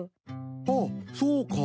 あっそうか！